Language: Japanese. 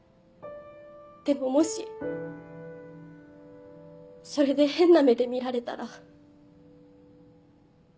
でももしそれで変な目で見られたら。